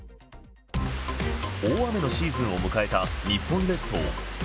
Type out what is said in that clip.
大雨のシーズンを迎えた日本列島。